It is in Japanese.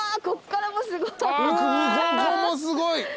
こっからもすごい。